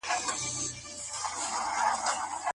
انلاين زده کړه د زده کړې دوام خوندي کړی دی.